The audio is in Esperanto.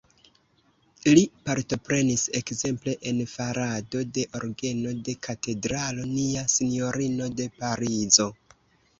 Li partoprenis ekzemple en farado de orgeno de Katedralo Nia Sinjorino de Parizo.